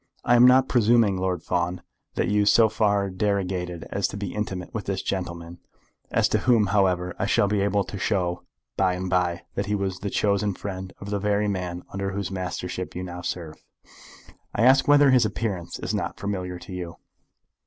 "I am not presuming, Lord Fawn, that you so far derogated as to be intimate with this gentleman, as to whom, however, I shall be able to show by and by that he was the chosen friend of the very man under whose mastership you now serve. I ask whether his appearance is not familiar to you?"